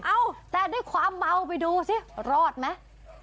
เอ้าแต่ด้วยความเมาไปดูสิรอดไหม